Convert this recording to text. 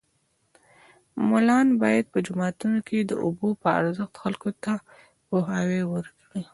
ملان باید په جوماتو کې د اوبو په ارزښت خلکو ته پوهاوی ورکړي